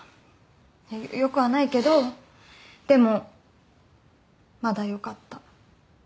いやよくはないけどでもまだよかった。